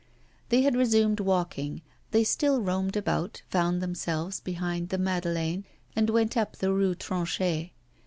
They had resumed walking; they still roamed about, found themselves behind the Madeleine, and went up the Rue Tronchet.